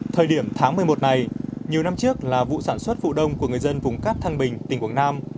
thời điểm tháng một mươi một này nhiều năm trước là vụ sản xuất vụ đông của người dân vùng cát thăng bình tỉnh quảng nam